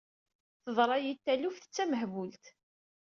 Teḍra-yi-d taluft d tamehbult.